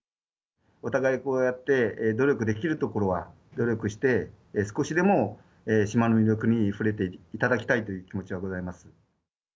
お互いこうやって努力できるところは努力して、少しでも島の魅力に触れていただきたいという気持ちがございます。